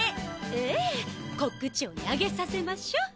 ええコック長にあげさせましょう。